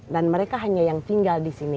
dan mereka hanya yang tinggal disini